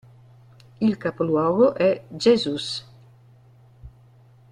Il capoluogo è Jesús.